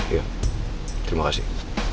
iya terima kasih